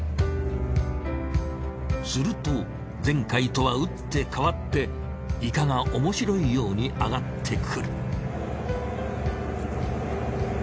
すると前回とは打って変わってイカがおもしろいようにあがってくる。